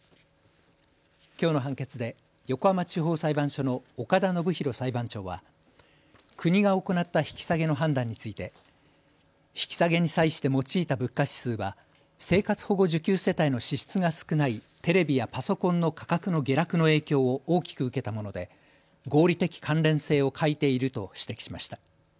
きょうの判決で横浜地方裁判所の岡田伸太裁判長は国が行った引き下げの判断について引き下げに際して用いた物価指数は生活保護受給世帯の支出が少ないテレビやパソコンの価格の下落の影響を大きく受けたもので合理的関連性を欠いていると指摘しました。